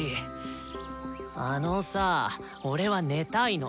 あのさぁ俺は寝たいの。